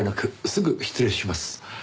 すぐ失礼します。